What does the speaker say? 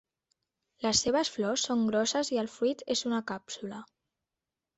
Les seves flors són grosses i el fruit és una càpsula.